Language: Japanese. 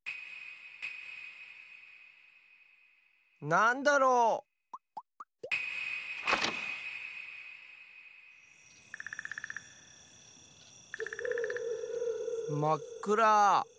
なんだろう？まっくら。